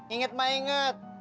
ingat mah inget